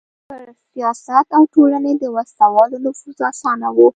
پر سیاست او ټولنې د وسله والو نفوذ اسانه و.